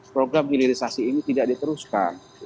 program hilirisasi ini tidak diteruskan